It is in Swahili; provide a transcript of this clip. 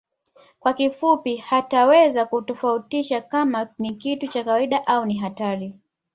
Kwa kifupi hataweza kutofautisha kama ni kitu cha kawaida au ni hatari